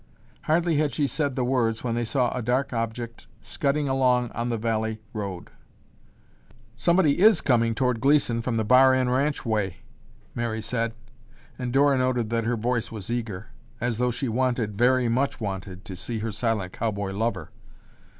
Hardly had she said the words when they saw a dark object scudding along on the valley road. "Somebody is coming toward Gleeson from the Bar N ranch way," Mary said, and Dora noted that her voice was eager, as though she wanted, very much wanted, to see her silent cowboy lover.